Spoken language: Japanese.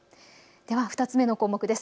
では２つ目の項目です。